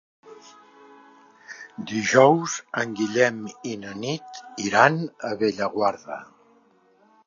Dijous en Guillem i na Nit iran a Bellaguarda.